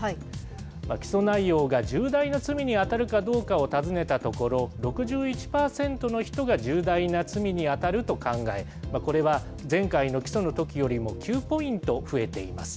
起訴内容が重大な罪に当たるかどうかを尋ねたところ、６１％の人が重大な罪に当たると考え、これは前回の起訴のときよりも９ポイント増えています。